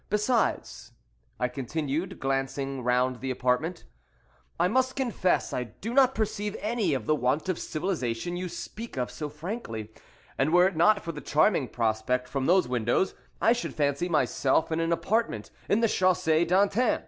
Besides," I continued, glancing round the apartment, "I must confess I do not perceive any of the want of civilization you speak of so frankly, and were it not for the charming prospect from those windows, I should fancy myself in an apartment in the Chaussee d'Antin."